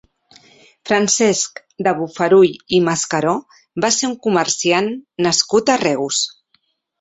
Francesc de Bofarull i Mascaró va ser un comerciant nascut a Reus.